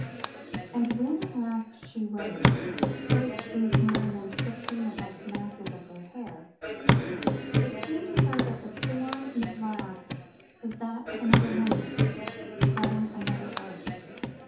And when at last she rose, first loosening and then twisting the black masses of her hair, it seemed to her that the form in the glass was that of another woman, treading another earth.